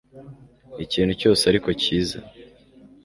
Ni ikintu cyose ariko cyiza